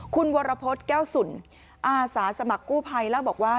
คุณวรพฤษแก้วสุนอาสาสมัครกู้ภัยเล่าบอกว่า